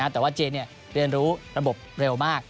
แต่ว่าเจนเรียนรู้ระบบเร็วมาก